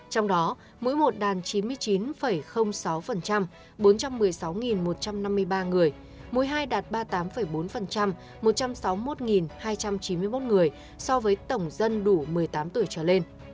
trong đó mỗi một đàn chín mươi chín sáu bốn trăm một mươi sáu một trăm năm mươi ba người muối hai đạt ba mươi tám bốn một trăm sáu mươi một hai trăm chín mươi một người so với tổng dân đủ một mươi tám tuổi trở lên